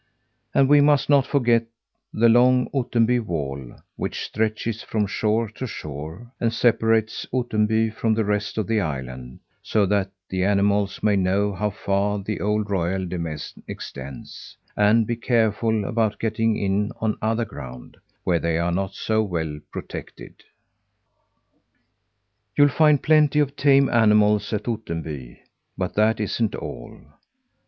And we must not forget the long Ottenby wall, which stretches from shore to shore, and separates Ottenby from the rest of the island, so that the animals may know how far the old royal demesne extends, and be careful about getting in on other ground, where they are not so well protected. You'll find plenty of tame animals at Ottenby, but that isn't all.